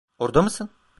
Orada mısın?